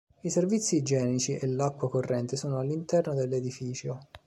I servizi igienici e l'acqua corrente sono all'interno dell'edificio.